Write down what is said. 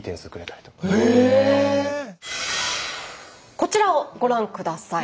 こちらをご覧下さい。